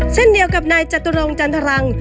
เช่นเดียวกับนายจตุรงจันทรัง